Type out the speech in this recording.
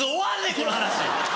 この話。